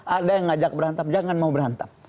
ada yang ngajak berantem jangan mau berantem